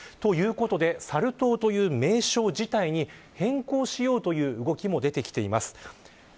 サル痘という名称自体変更しようという動きも出てきています。